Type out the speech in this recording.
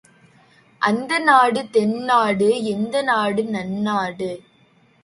அந்நாடு தென்னாடு எந்நாடு நன்நாடு